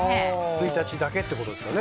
１日だけということですかね。